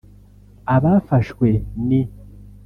Abafashwe ni